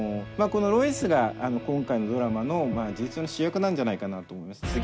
このロイスが今回のドラマの事実上の主役なんじゃないかなとも思います。